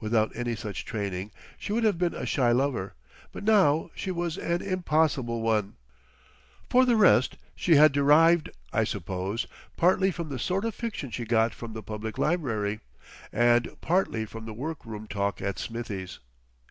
Without any such training she would have been a shy lover, but now she was an impossible one. For the rest she had derived, I suppose, partly from the sort of fiction she got from the Public Library, and partly from the workroom talk at Smithie's.